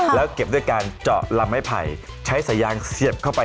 แล้วเก็บด้วยการเจาะลำไม้ไผ่ใช้สายยางเสียบเข้าไป